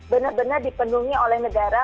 benar benar dipenuhi oleh negara